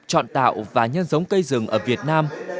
chọn tạo và nhân giống cây rừng ở việt nam